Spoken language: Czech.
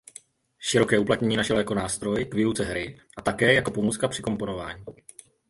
Široké uplatnění našel jako nástroj k výuce hry a také jako pomůcka při komponování.